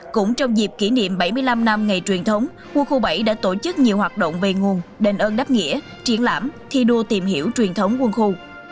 cũng trong dịp kỷ niệm bảy mươi năm năm ngày truyền thống quân khu bảy đã tổ chức nhiều hoạt động về nguồn đền ơn đáp nghĩa triển lãm thi đua tìm hiểu truyền thống quân khu